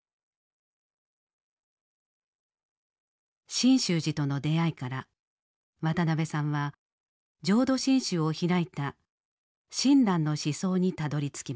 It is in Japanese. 真宗寺との出会いから渡辺さんは浄土真宗を開いた親鸞の思想にたどりつきます。